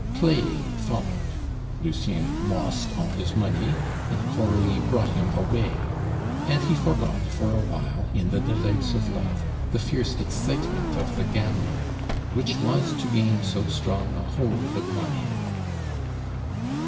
Play followed, Lucien lost all his money, and Coralie brought him away; and he forgot for a while, in the delights of love, the fierce excitement of the gambler, which was to gain so strong a hold upon him.